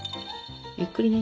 ゆっくりね。